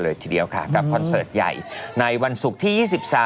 เด็กเนี่ยเขาก็มาต้อนรับ